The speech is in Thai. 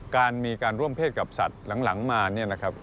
การมีการร่วมเพศกับสัตว์หลังมาเนี่ยนะครับ